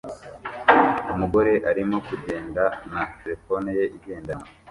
Umugore arimo kugenda na terefone ye igendanwa